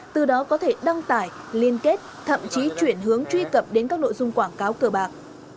từ đó có thể đăng tải liên kết thậm chí chuyển hướng truy cập đến các nội dung quảng cáo cờ bạc